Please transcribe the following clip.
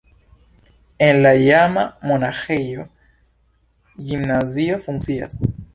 En la iama monaĥejo gimnazio funkcias.